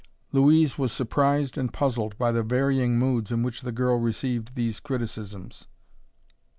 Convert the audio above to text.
Louise was surprised and puzzled by the varying moods in which the girl received these criticisms.